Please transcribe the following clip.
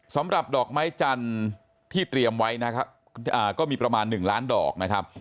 สำหรับดอกไม้จันทร์ที่เตรียมไว้นะครับก็มีประมาณ๑ล้านดอกนะครับ